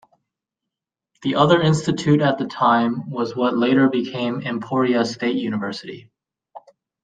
The other institute at the time was what later became Emporia State University.